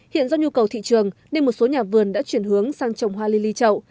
hiện do nhu cầu thị trường nên một số nhà vườn đã chuyển hướng sang trồng hoa li li trậu